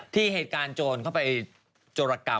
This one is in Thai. ที่แห่งการโจรเข้าไปโจรกรรม